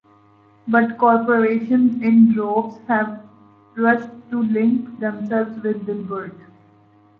But corporations in droves have rushed to link themselves with "Dilbert".